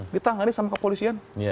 ditangani sama kepolisian